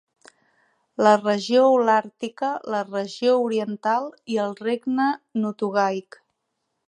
La regió holàrtica, la regió oriental i el regne notogaic.